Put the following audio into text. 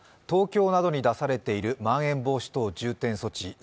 東京などに出されているまん延防止等重点措置